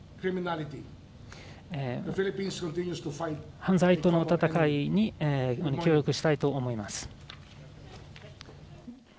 犯罪との戦いに協力したいと思います。